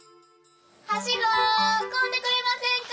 はしご買うてくれませんか？